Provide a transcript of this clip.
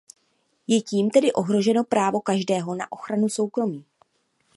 Je tím tedy ohroženo právo každého na ochranu soukromí.